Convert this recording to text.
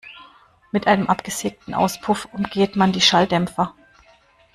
Mit einem absägten Auspuff umgeht man die Schalldämpfer.